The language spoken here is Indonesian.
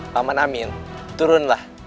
paman amin turunlah